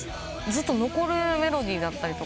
ずっと残るメロディーだったり。